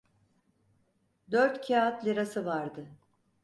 Dört kâğıt lirası vardı.